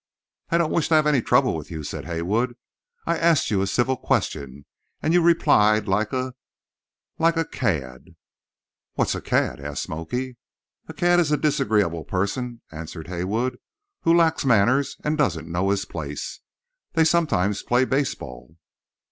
"I don't wish to have any trouble with you," said Haywood. "I asked you a civil question; and you replied, like a—like a—a cad." "Wot's a cad?" asked "Smoky." "A cad is a disagreeable person," answered Haywood, "who lacks manners and doesn't know his place. They sometimes play baseball."